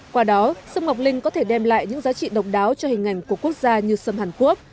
qua đó sông ngọc linh có thể đem lại những giá trị độc đáo cho hình ảnh của quốc gia như sâm hàn quốc